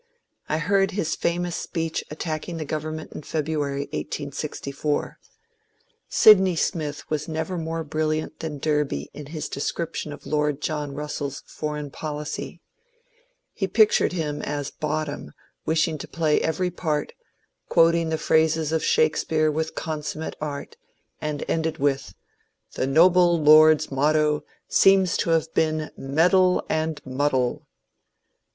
I heard his famous speech attacking the government in Feb ruary, 1864. Sydney Smith was never more brilliant than Derby in his description of Lord John Russell's foreign policy. He pictured him as Bottom wishing to play every part, quoting the phrases of Shakespeare with consummate art, and ended with, ^^ The noble Lord's motto seems to have been ^ Meddle and Muddle.'